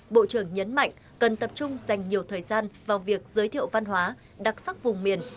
bộ trưởng nhấn mạnh cần tập trung dành nhiều thời gian vào việc giới thiệu văn hóa đặc sắc vùng miền